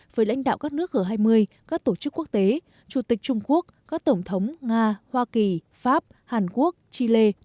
với lãnh đạo các nước g hai mươi các tổ chức quốc tế chủ tịch trung quốc các tổng thống nga hoa kỳ pháp hàn quốc chile